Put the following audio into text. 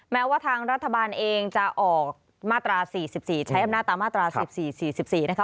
แม้ว่าทางรัฐบาลเองจะออกมาตราสี่สิบสี่ใช้หน้าตามมาตราสี่สี่สี่สิบสี่นะคะ